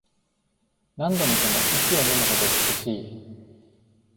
何度見ても息をのむほど美しい